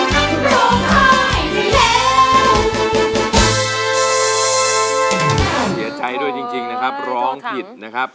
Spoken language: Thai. ที่ผมเกลียดใช้ด้วยจริงนะครับ